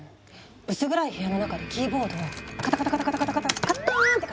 薄暗い部屋の中でキーボードをカタカタカタカタカタカッターン！って感じ？